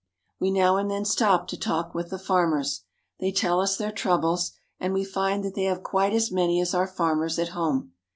We now and then stop to talk with the farmers. They 1 ttell us their troubles, and we find that they have quite as 4 Imany as our farmers at home.